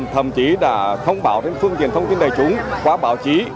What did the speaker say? thậm chí đã thông báo phương tiện thông tin đầy chúng qua báo chí